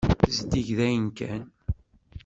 Zeddig dayen kan.